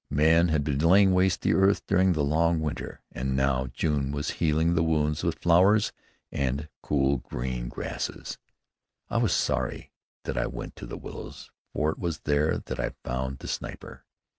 Men had been laying waste the earth during the long winter, and now June was healing the wounds with flowers and cool green grasses. I was sorry that I went to the willows, for it was there that I found the sniper.